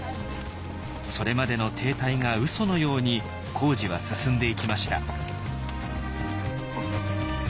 それまでの停滞がうそのように工事は進んでいきました。